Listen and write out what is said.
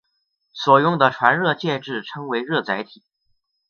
所用的传热介质称为热载体。